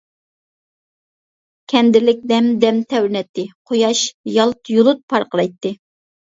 كەندىرلىك دەم-دەم تەۋرىنەتتى، قۇياش يالت-يۇلت پارقىرايتتى.